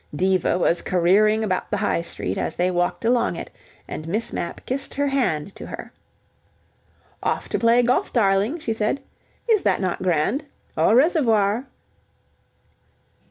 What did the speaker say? Diva was careering about the High Street as they walked along it, and Miss Mapp kissed her hand to her. "Off to play golf, darling," she said. "Is that not grand? Au reservoir."